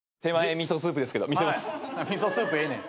『ミソスープ』ええねん。